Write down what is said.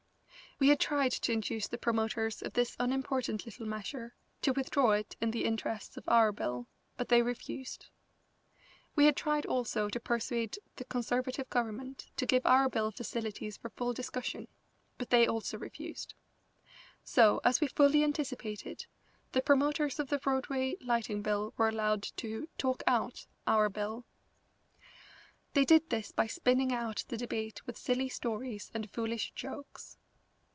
We had tried to induce the promoters of this unimportant little measure to withdraw it in the interests of our bill, but they refused. We had tried also to persuade the Conservative Government to give our bill facilities for full discussion, but they also refused. So, as we fully anticipated, the promoters of the Roadway Lighting Bill were allowed to "talk out" our bill. They did this by spinning out the debate with silly stories and foolish jokes.